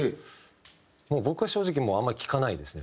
僕は正直もうあんまり聴かないですね